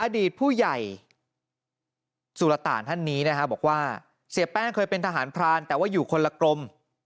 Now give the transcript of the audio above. อดีตผู้ใหญ่สุรต่านท่านนี้นะฮะบอกว่าเสียแป้งเคยเป็นทหารพรานแต่ว่าอยู่คนละกรม